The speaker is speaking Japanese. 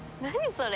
それ。